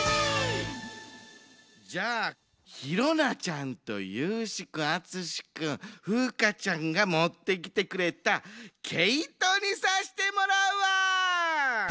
じゃあひろなちゃんとゆうしくん・あつしくん・ふうかちゃんがもってきてくれた毛糸にさしてもらうわ！